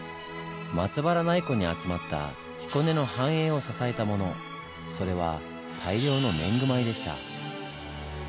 松原内湖に集まった彦根の繁栄を支えたものそれは大量の年貢米でした。